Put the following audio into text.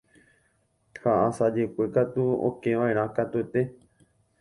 Ha asajekue katu okeva'erã katuete.